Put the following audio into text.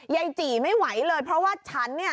จี่ไม่ไหวเลยเพราะว่าฉันเนี่ย